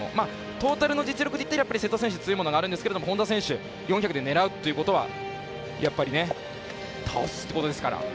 トータルの実力でいったら瀬戸選手強いんですけど本多選手４００で狙うということはやっぱり倒すってことですから。